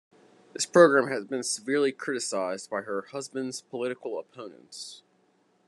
This program has been severely criticized by her husband's political opponents.